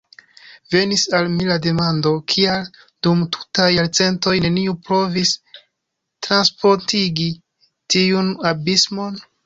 Venis al mi la demando, kial, dum tutaj jarcentoj, neniu provis transpontigi tiun abismon?